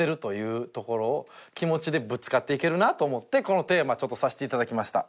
気持ちでぶつかっていけるなと思ってこのテーマちょっとさせていただきました。